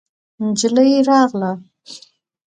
نجلۍ راغله.